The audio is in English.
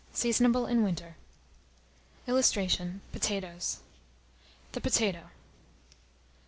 Seasonable in winter. [Illustration: POTATOES.] THE POTATO.